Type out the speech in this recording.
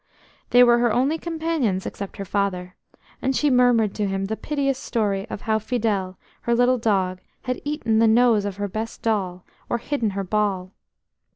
They were her only companions except her father, and she murmured to them the piteous story of how Fidèle, her little dog, had eaten the nose of her best doll, or hidden her ball.